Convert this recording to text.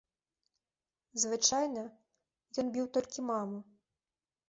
Звычайна, ён біў толькі маму.